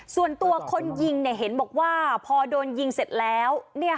ส่วนตัวคนยิงเห็นบอกว่าพอโดนยิงเสร็จแล้ว